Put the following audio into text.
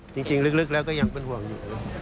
จริงลึกแล้วก็ยังเป็นห่วงอยู่